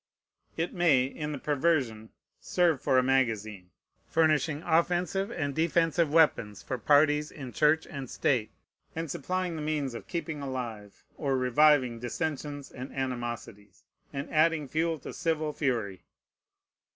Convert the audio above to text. It may, in the perversion, serve for a magazine, furnishing offensive and defensive weapons for parties in Church and State, and supplying the means of keeping alive or reviving dissensions and animosities, and adding fuel to civil fury.